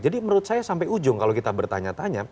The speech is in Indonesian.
jadi menurut saya sampai ujung kalau kita bertanya tanya